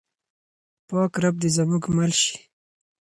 پاک رب دې زموږ مل شي.